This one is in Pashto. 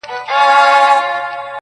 چا به څوک رانه پوښتل څه به یې غوښتل